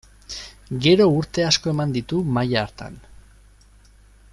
Gero urte asko eman ditu maila hartan.